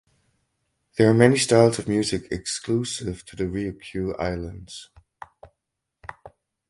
There are many styles of music exclusive to the Ryukyu Islands.